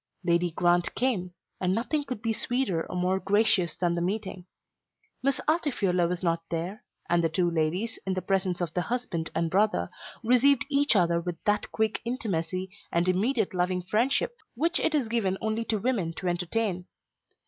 Lady Grant came, and nothing could be sweeter or more gracious than the meeting. Miss Altifiorla was not there, and the two ladies, in the presence of the husband and brother, received each other with that quick intimacy and immediate loving friendship which it is given only to women to entertain.